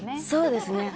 そうですね。